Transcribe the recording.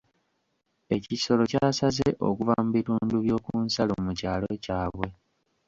Ekisolo kyasaze okuva mu bitundu by'oku nsalo mu kyalo kyabwe.